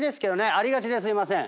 ありがちですいません。